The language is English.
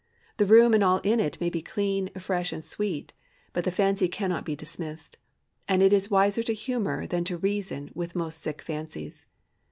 The room and all in it may be clean, fresh, and sweet, but the fancy cannot be dismissed. And it is wiser to humor than to reason with most sick fancies.